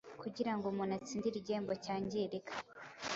kugira ngo umuntu atsindire igihembo cyangirika,